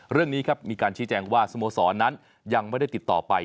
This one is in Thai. เรื่องนี้ครับมีการชี้แจงว่าสโมสรนั้นยังไม่ได้ติดต่อไป